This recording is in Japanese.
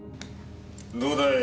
どうだい？